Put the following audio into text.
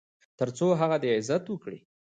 تر څو هغه دې عزت وکړي .